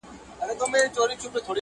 ما ويل څه به ورته گران يمه زه.